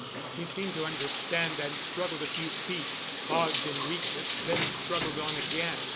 He seemed to understand and struggled a few feet, paused in weakness, then struggled on again.